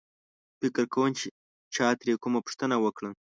فکر کوم چا ترې کومه پوښتنه وکړه.